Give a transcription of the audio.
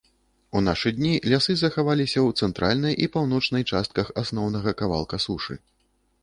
У нашы дні лясы захаваліся ў цэнтральнай і паўночнай частках асноўнага кавалка сушы.